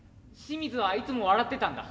清水はいつも笑ってたんだ。